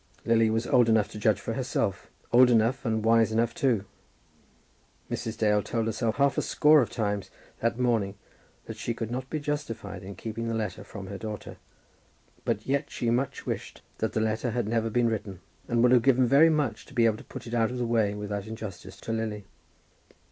Lily was old enough to judge for herself, old enough, and wise enough too. Mrs. Dale told herself half a score of times that morning that she could not be justified in keeping the letter from her daughter. But yet she much wished that the letter had never been written, and would have given very much to be able to put it out of the way without injustice to Lily.